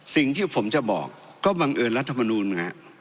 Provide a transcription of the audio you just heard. สิ่งที่ผมจะบอกก็บังเอิญรัฐมนูลนะฮะ